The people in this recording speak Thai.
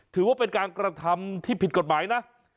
ถือว่าเป็นการกระทำที่ผิดกฎหมายนะ